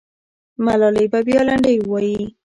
ملالۍ به بیا لنډۍ ووایي.